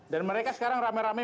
dan mereka sekarang rame rame